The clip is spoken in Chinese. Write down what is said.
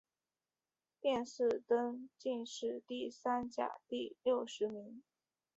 殿试登进士第三甲第六十名。